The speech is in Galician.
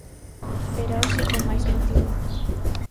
Pero hoxe con máis motivo.